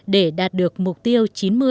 để đạt được mục tiêu chín mươi